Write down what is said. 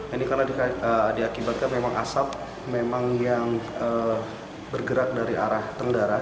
ini karena diakibatkan memang asap memang yang bergerak dari arah tenggara